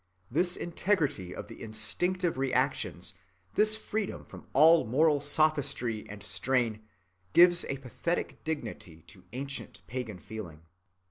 This integrity of the instinctive reactions, this freedom from all moral sophistry and strain, gives a pathetic dignity to ancient pagan feeling.